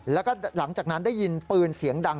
แล้วก็หลังจากนั้นได้ยินปืนเสียงดัง